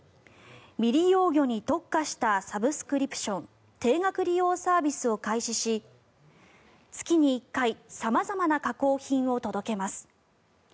未利用魚に特化したサブスクリプション定額利用サービスを開始し月に１回、様々な加工品を届けます。